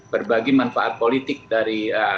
berbagi manfaat politik dari event pencalonan tersebut